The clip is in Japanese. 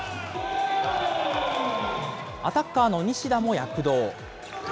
アタッカーの西田も躍動。